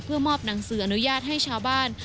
เพื่อมอบหนังสืออนุญาตให้ชาวบ้าน